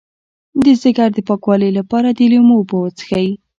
د ځیګر د پاکوالي لپاره د لیمو اوبه وڅښئ